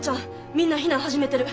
みんな避難始めてる。